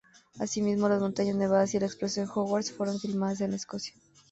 Asimismo, las montañas nevadas y el Expreso de Hogwarts fueron filmados en Escocia.